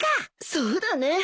そうだね。